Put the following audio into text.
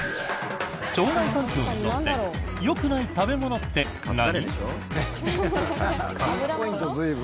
腸内環境にとってよくない食べ物って何？